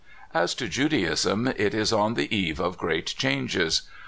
As to Judaism, it is on the eve of great changes.